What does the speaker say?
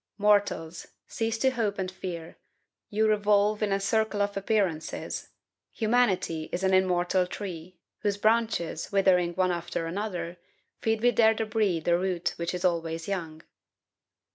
Mortals! cease to hope and fear; you revolve in a circle of appearances; humanity is an immortal tree, whose branches, withering one after another, feed with their debris the root which is always young!"